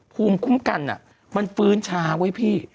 ภูมิคุ้มกันมันฟื้นช้าเว้ยพี่